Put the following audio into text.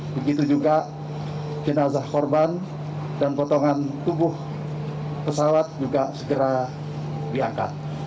begitu juga jenazah korban dan potongan tubuh pesawat juga segera diangkat